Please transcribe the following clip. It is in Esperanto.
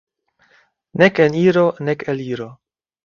Nek eniro, nek eliro.